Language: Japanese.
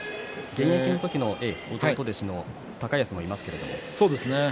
現役の時の弟弟子の高安がいますね。